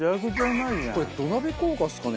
これ土鍋効果ですかね？